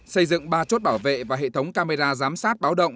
xây dựng ba chốt bảo vệ và hệ thống camera giám sát báo động